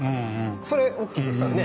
それ大きいですよね。